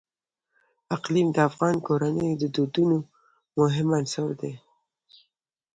اقلیم د افغان کورنیو د دودونو مهم عنصر دی.